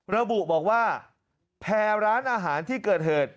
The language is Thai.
ระบุบอกว่าแพร่ร้านอาหารที่เกิดเหตุ